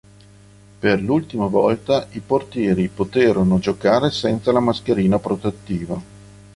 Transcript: Per l'ultima volta i portieri poterono giocare senza la maschera protettiva.